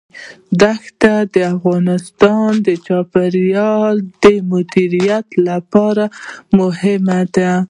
دښتې د افغانستان د چاپیریال د مدیریت لپاره مهم دي.